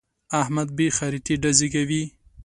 احمد بې خريطې ډزې کوي.